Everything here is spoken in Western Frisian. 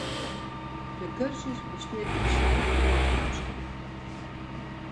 De kursus bestiet út seis byienkomsten.